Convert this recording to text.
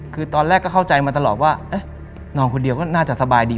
คือตอนแรกก็เข้าใจมาตลอดว่านอนคนเดียวก็น่าจะสบายดี